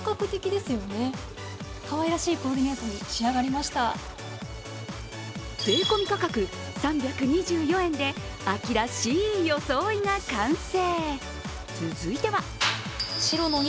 まずは税込み価格３２４円で秋らしい装いが完成。